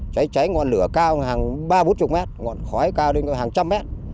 cháy cháy ngọn lửa cao hàng ba mươi bốn mươi m ngọn khói cao đến hàng một trăm linh m